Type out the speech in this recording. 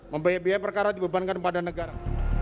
mempunyai biaya perkara dibebankan kepada negara